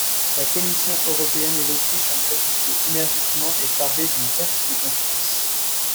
La Commission européenne et l'Autriche ont protesté énergiquement et parlé d'une perte de confiance.